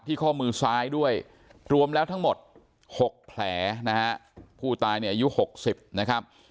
ข้อมือซ้ายด้วยรวมแล้วทั้งหมด๖แผลนะฮะผู้ตายเนี่ยอายุ๖๐นะครับ